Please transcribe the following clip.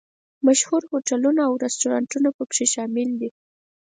مشهور هوټلونه او رسټورانټونه په کې شامل دي.